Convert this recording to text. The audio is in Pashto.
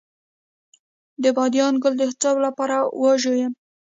د بادیان ګل د څه لپاره وژويئ؟